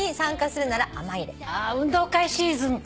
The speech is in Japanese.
運動会シーズンか。